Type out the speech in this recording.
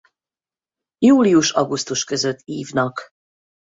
Július-augusztus között ívnak.